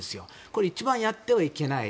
これは一番やってはいけない。